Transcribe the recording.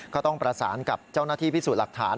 ก็ต้องประสานกับเจ้าหน้าที่พิสูจน์หลักฐาน